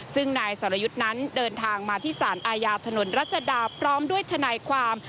ซึ่งนายสรยุทธ์นั้นเดินทางมาที่สารอาญาถนนรัชดาพร้อมด้วยทนายความ